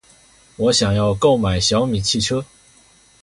我想要购买小米汽车。